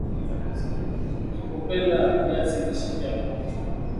ukipondeponde viazi lishe vyako